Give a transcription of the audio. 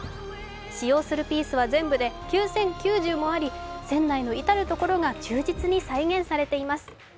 使用するピースは全部で９０９０もあり、船内の至る所が忠実に再現されています。